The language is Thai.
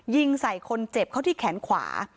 ยิงใส่คนเจ็บเขาที่แขนขวา